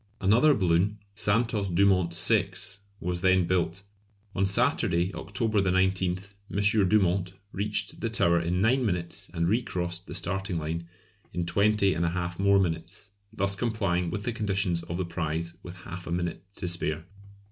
Another balloon "Santos Dumont VI." was then built. On Saturday, October 19th, M. Dumont reached the Tower in nine minutes and recrossed the starting line in 20 1/2 more minutes, thus complying with the conditions of the prize with half a minute to spare.